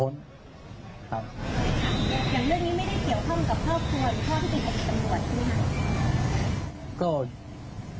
อย่างเรื่องนี้ไม่ได้เกี่ยวข้างกับครอบครัวหรือข้างที่เป็นสมวนหรือเปล่า